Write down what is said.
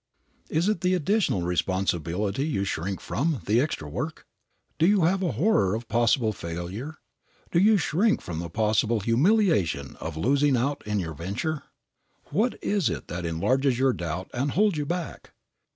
Is it the additional responsibility you shrink from, the extra work? Do you have a horror of possible failure? Do you shrink from the possible humiliation of losing out in your venture? What is it that enlarges your doubt and holds you back?